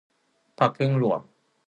พรรคผึ้งหลวง